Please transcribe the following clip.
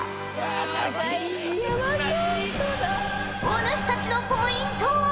お主たちのポイントは。